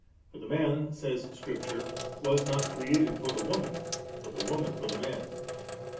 * For the man,' says Scripture^ ^was not created for the woman, but the woman for the man.'